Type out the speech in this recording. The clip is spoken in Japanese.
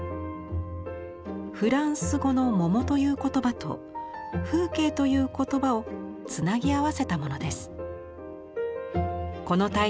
フランス語の「桃」という言葉と「風景」という言葉をつなぎ合わせたものです。